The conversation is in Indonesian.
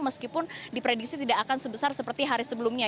meskipun diprediksi tidak akan sebesar seperti hari sebelumnya